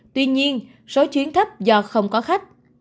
tuy nhiên số chuyến thấp do không có khách